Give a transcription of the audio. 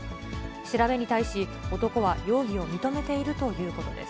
調べに対し、男は容疑を認めているということです。